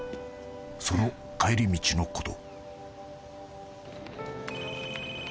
［その帰り道のこと］